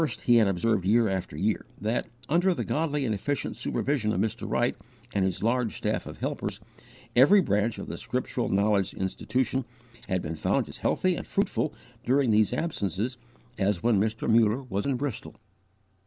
He had observed year after year that, under the godly and efficient supervision of Mr. Wright and his large staff of helpers, every branch of the Scriptural Knowledge Institution had been found as healthy and fruitful during these absences as when Mr. Muller was in Bristol.